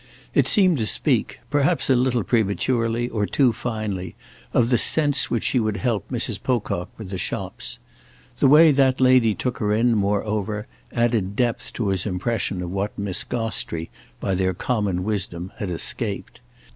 It seemed to speak—perhaps a little prematurely or too finely—of the sense in which she would help Mrs. Pocock with the shops. The way that lady took her in, moreover, added depth to his impression of what Miss Gostrey, by their common wisdom, had escaped.